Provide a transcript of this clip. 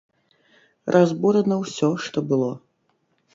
Разбурана ўсё, што было.